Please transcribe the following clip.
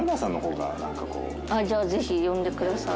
あっじゃあぜひ呼んでください。